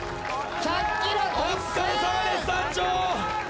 お疲れさまです団長！